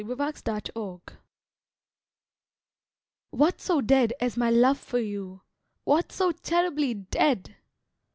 A LITTLE DIRGE What so dead as my love for you, What so terribly dead!